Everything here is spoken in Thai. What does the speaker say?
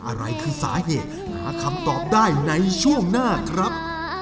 อะไรคือสาเหตุหาคำตอบได้ในช่วงหน้าครับ